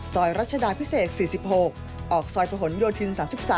รัชดาพิเศษ๔๖ออกซอยประหลโยธิน๓๓